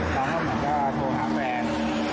น้องเขาก็โทรหาแฟน